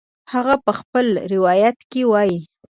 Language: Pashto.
هغه په خپل روایت کې وایي